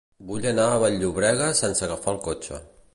Vull anar a Vall-llobrega sense agafar el cotxe.